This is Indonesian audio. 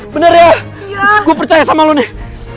bener ya aku percaya sama lo nih